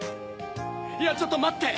いやちょっとまって！